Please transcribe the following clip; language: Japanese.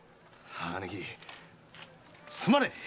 姉貴すまねえ！